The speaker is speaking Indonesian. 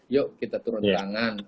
yuk kita turun tangan